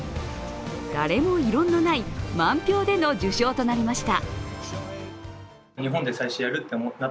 誰も異論のない満票での受賞となりました。